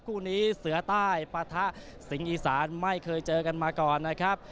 คู่นี้เสือใต้ปะทะสิงห์อีสานไม่เคยเจอกันมาก่อนนะครับ